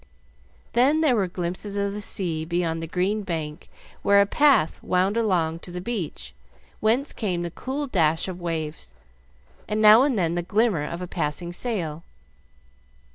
Then there were glimpses of the sea beyond the green bank where a path wound along to the beach, whence came the cool dash of waves, and now and then the glimmer of a passing sail.